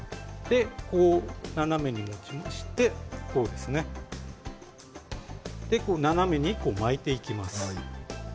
斜めに持ちまして斜めに巻いていきます。